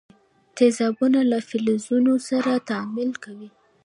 تیزابونه له فلزونو سره تعامل کوي.